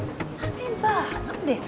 aneh banget deh